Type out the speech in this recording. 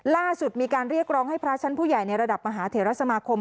ล่าสุดมีการเรียกร้องให้พระชั้นผู้ใหญ่ในระดับมหาเถระสมาคม